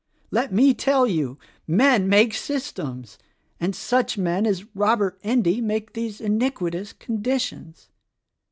"Let me tell you! Men make systems — and such men as Robert Endy make these iniquitous conditions.